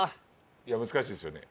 いや難しいですよね。